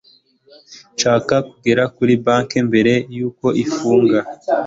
ndashaka kugera kuri banki mbere yuko ifunga